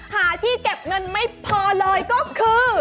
หาที่เก็บเงินไม่พอเลยก็คือ